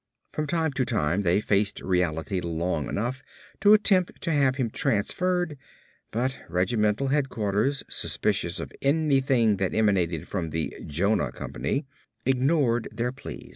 From time to time they faced reality long enough to attempt to have him transferred but regimental headquarters, suspicious of anything that emanated from the "Jonah" company, ignored their pleas.